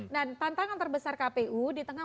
nah tantangan terbesar kpu di tengah